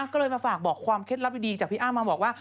ก็เลยมาฝากบอกความเคล็ดลับดีจากพี่อ้ำมาบอกว่า